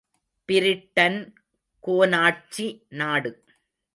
Britain கோனாட்சி நாடு.